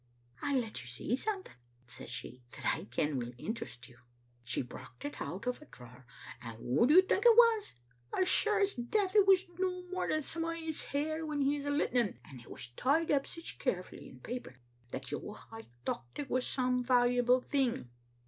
"*I'll let you see something,' says she, 'that I ken will interest you. ' She brocht it out o* a drawer, and what do you think it was? As sure as death it was no more than some o' his hair when he was a litlin, and it was tied up sic carefully in paper that you would hae thocht it was some valuable thing.